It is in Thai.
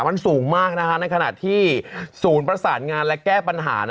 มันสูงมากในขณะที่ศูนย์ประสานงานและแก้ปัญหา